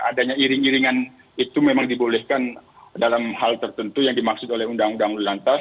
adanya iring iringan itu memang dibolehkan dalam hal tertentu yang dimaksud oleh undang undang lantas